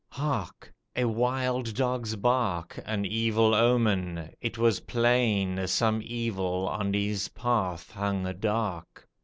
Hark! A wild dog's bark! An evil omen: it was plain Some evil on his path hung dark!